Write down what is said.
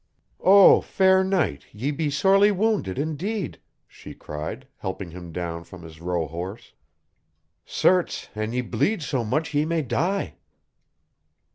"Oh, fair knight, ye be sorely wounded indeed!" she cried, helping him down from his rohorse. "Certes, an ye bleed so much ye may die!"